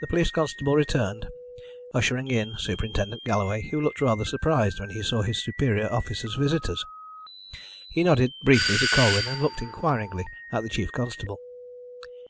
The police constable returned, ushering in Superintendent Galloway, who looked rather surprised when he saw his superior officer's visitors. He nodded briefly to Colwyn, and looked inquiringly at the chief constable.